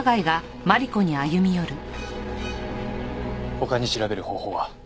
他に調べる方法は？